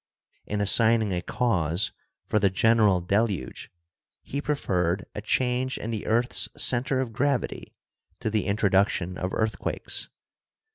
In assigning a cause for the general deluge, he preferred a change in the earth's center of gravity to the introduction of earthquakes.